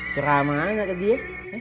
ceramah anaknya dia